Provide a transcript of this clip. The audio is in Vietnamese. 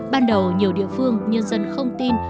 ban đầu nhiều địa phương nhân dân không tin